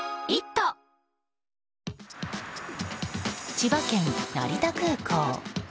千葉県成田空港。